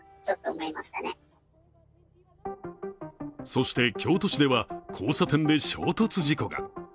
そして、京都市では交差点で衝突事故が。